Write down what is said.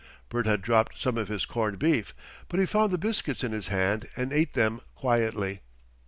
Bert had dropped some of his corned beef, but he found the biscuits in his hand and ate them quietly.